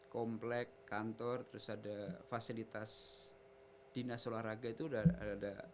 komplek kantor terus ada fasilitas dinas olahraga itu udah ada